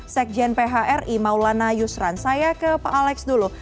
sekjen phri maulana yusran saya ke pak alex dulu